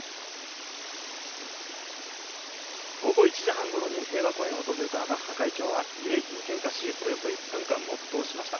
午後１時半ごろに平和公園を訪れたバッハ会長は慰霊碑に献花し、およそ１分間黙とうしました。